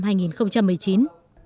thành phố đã tổ chức đánh giá xếp hàng